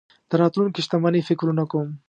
د راتلونکې شتمنۍ فکرونه کوم.